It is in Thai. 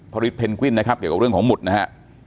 ผลิตเพนกวิ้นนะครับเกี่ยวกับเรื่องของหมุดนะฮะ